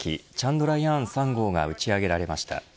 チャンドラヤーン３号が打ち上げられました。